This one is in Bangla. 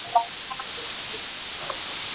তোমার পরিবার আমায় বেকার বলে খেপাতে থাকে?